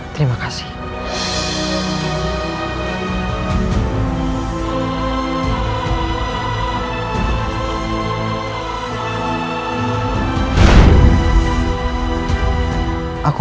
tentu saja puteraku